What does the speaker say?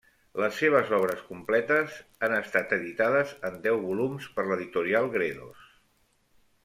Les seves obres completes han estat editades en deu volums per l'editorial Gredos.